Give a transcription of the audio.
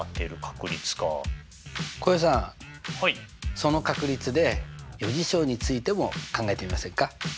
その確率で余事象についても考えてみませんか？